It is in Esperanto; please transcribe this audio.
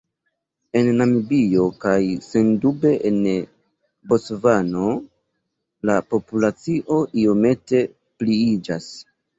En Namibio kaj sendube en Bocvano, la populacio iomete pliiĝas.